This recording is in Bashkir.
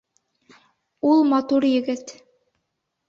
Ул матур егет.